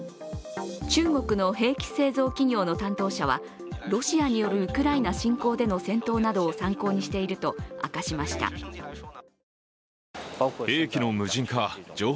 中国の兵器製造企業の担当者はロシアによるウクライナ侵攻での戦闘などを参考にしていると明かしました。